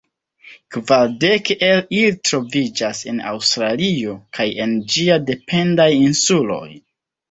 Kvar dek el ili troviĝas en Aŭstralio kaj en ĝiaj dependaj insuloj.